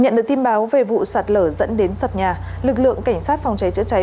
nhận được tin báo về vụ sạt lở dẫn đến sập nhà lực lượng cảnh sát phòng cháy chữa cháy